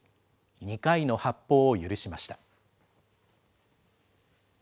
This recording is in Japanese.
２回の発砲を許しました。